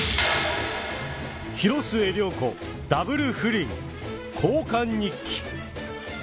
広末涼子ダブル不倫、交換日記。